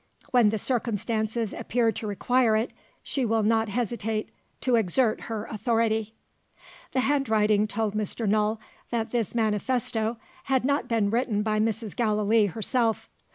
When the circumstances appear to require it, she will not hesitate to exert her authority." The handwriting told Mr. Null that this manifesto had not been written by Mrs. Gallilee herself.